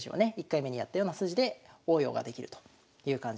１回目にやったような筋で応用ができるという感じですね。